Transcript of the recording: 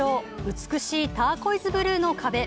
美しいターコイズブルーの壁。